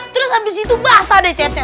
terus habis itu basah deh catnya